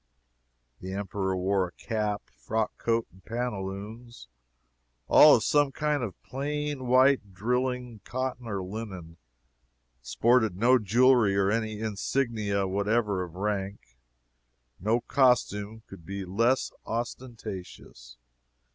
The Emperor wore a cap, frock coat and pantaloons, all of some kind of plain white drilling cotton or linen and sported no jewelry or any insignia whatever of rank. No costume could be less ostentatious.